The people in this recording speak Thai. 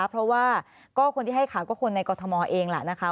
เพราะว่าก็คนที่ให้ข่าวก็คนในกรทมเองแหละนะคะ